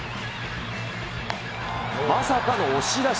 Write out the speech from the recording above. まさかの押し出し。